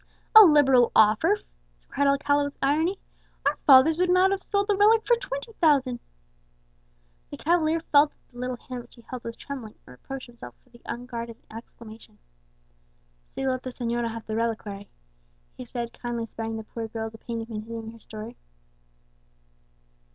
'" "A liberal offer!" cried Alcala, with irony. "Our fathers would not have sold the relic for twenty thousand!" The cavalier felt that the little hand which he held was trembling, and reproached himself for the unguarded exclamation. "So you let the señora have the reliquary," he said, kindly sparing the poor girl the pain of continuing her story.